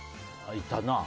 いたな。